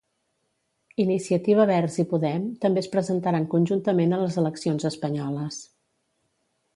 ICV i Podem també es presentaran conjuntament a les eleccions espanyoles.